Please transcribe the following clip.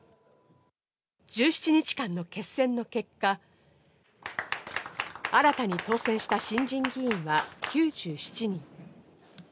１７日間の決選の結果、新たに当選した新人議員は９７人。